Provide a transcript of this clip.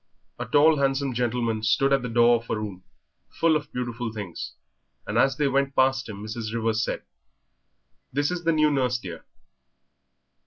A tall, handsome gentleman stood at the door of a room full of beautiful things, and as they went past him Mrs. Rivers said, "This is the new nurse, dear."